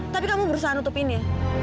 tapi kamu berusaha nutupinnya